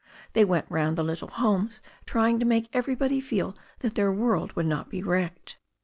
They went round the little homes trying to make every body feel that their world would not be wrecked.